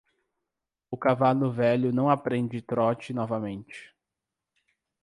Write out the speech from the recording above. O cavalo velho não aprende trote novamente.